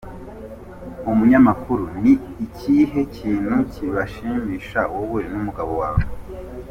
Umunyamakuru:Ni ikihe kintu kibashimisha wowe n’umugabo wawe?.